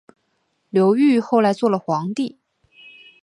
刘裕后来做了皇帝。